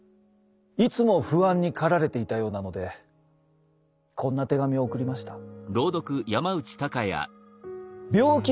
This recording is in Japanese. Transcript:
いつも不安に駆られていたようなのでこんな手紙を送りました。